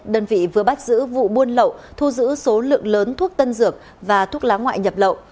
đơn vị vừa bắt giữ vụ buôn lậu thu giữ số lượng lớn thuốc tân dược và thuốc lá ngoại nhập lậu